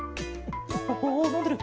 おおのんでる。